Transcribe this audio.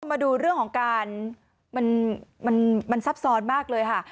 มาดูเรื่องของการมันซับซ้อนมากเลยค่ะ